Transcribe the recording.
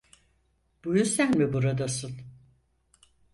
Bu yüzden mi buradasın?